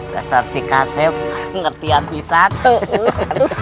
rasar si kasem ngerti aku satu